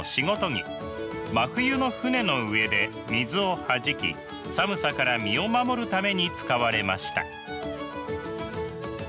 真冬の船の上で水をはじき寒さから身を守るために使われました。